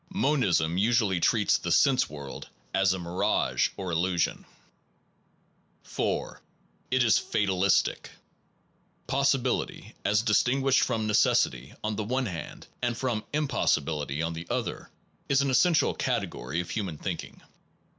Monism usually treats the sense world as a mirage or illusion. 4. It is fatalistic. Possibility, as distin guished from necessity on the one hand and from impossibility on the other, is an essential category of human thinking.